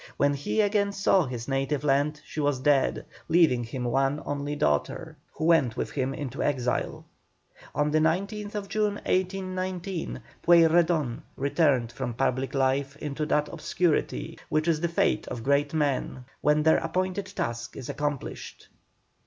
When he again saw his native land she was dead, leaving him one only daughter, who went with him into exile. On the 19th June, 1819, Pueyrredon retired from public life into that obscurity which is the fate of great men when their appointed task is accomplished.